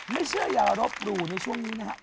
ไม่เชื่ออย่ารบหลู่ในช่วงนี้นะครับ